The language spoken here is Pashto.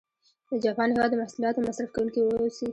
د جاپان هېواد د محصولاتو مصرف کوونکي و اوسي.